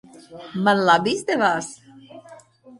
Man labi izdevās?